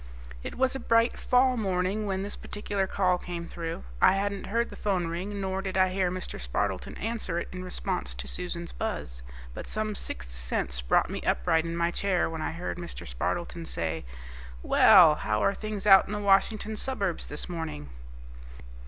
It was a bright fall morning when this particular call came through. I hadn't heard the phone ring, nor did I hear Mr. Spardleton answer it in response to Susan's buzz. But some sixth sense brought me upright in my chair when I heard Mr. Spardleton say, "Well, how are things out in the Washington suburbs this morning?"